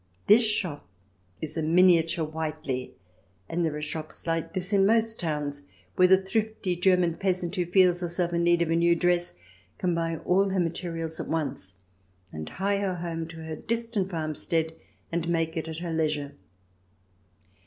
This shop is a miniature Whiteley, and there are shops like this in most towns where the thrifty German peasant, who feels herself in need of a new dress, can buy all her materials at once and hie her home to her distant farmstead and make it at her leisure.